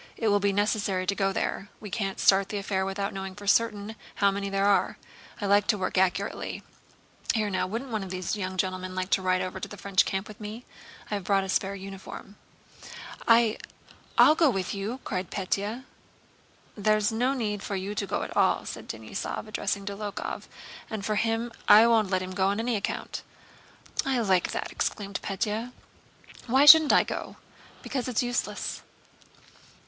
"It will be necessary to go there. We can't start the affair without knowing for certain how many there are. I like to work accurately. Here now—wouldn't one of these gentlemen like to ride over to the French camp with me? I have brought a spare uniform." "I, I... I'll go with you!" cried Pétya. "There's no need for you to go at all," said Denísov, addressing Dólokhov, "and as for him, I won't let him go on any account." "I like that!" exclaimed Pétya. "Why shouldn't I go?" "Because it's useless."